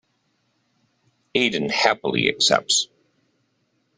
Aidan happily accepts.